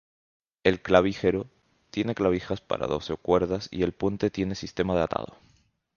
El clavijero tiene clavijas para doce cuerdas y el puente tiene sistema de atado.